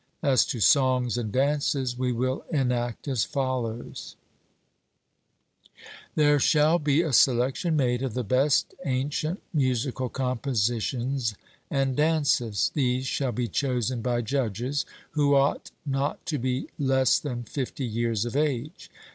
As to songs and dances, we will enact as follows: There shall be a selection made of the best ancient musical compositions and dances; these shall be chosen by judges, who ought not to be less than fifty years of age.